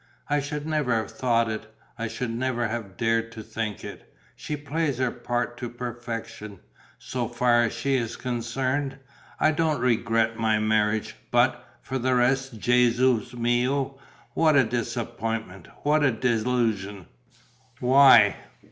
I should never have thought it. I should never have dared to think it. She plays her part to perfection. So far as she is concerned, I don't regret my marriage. But, for the rest, Gesu mio, what a disappointment, what a disillusion!" "Why?"